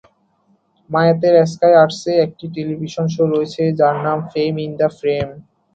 মায়াতের Sky আর্টসে একটি television show রয়েছে যার নাম ফেইম ইন দ্য ফ্রেম।